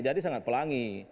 jadi sangat pelangi